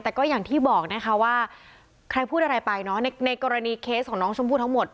แต่ก็อย่างที่บอกนะคะว่าใครพูดอะไรไปเนอะในกรณีเคสของน้องชมพู่ทั้งหมด